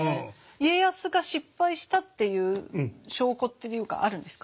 家康が失敗したっていう証拠っていうかあるんですか？